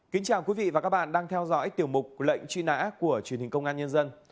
kính chào quý vị và các bạn đang theo dõi tiểu mục lệnh truy nã của truyền hình công an nhân dân